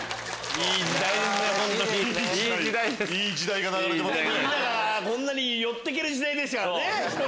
みんながこんなに寄ってける時代でしたからね。